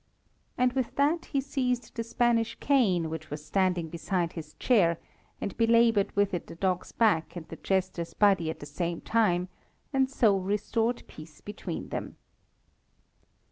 And with that he seized the Spanish cane which was standing beside his chair, and belaboured with it the dog's back and the jester's body at the same time, and so restored peace between them.